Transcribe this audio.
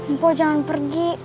mpau jangan pergi